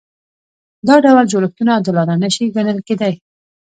دا ډول جوړښتونه عادلانه نشي ګڼل کېدای.